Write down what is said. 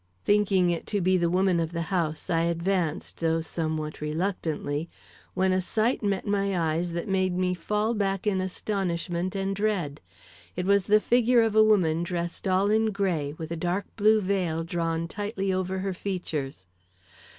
Thinking it to be the woman of the house, I advanced, though somewhat reluctantly, when a sight met my eyes that made me fall back in astonishment and dread. It was the figure of a woman dressed all in gray, with a dark blue veil drawn tightly over her features.